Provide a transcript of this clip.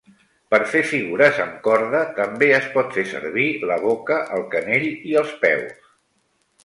Per fer figures amb corda també es pot fer servir la boca, el canell i els peus.